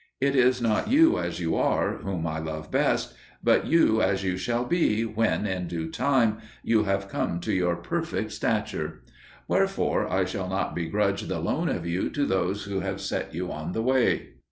It is not you as you are whom I love best, but you as you shall be when, in due time, you have come to your perfect stature; wherefore I shall not begrudge the loan of you to those who have set you on the way.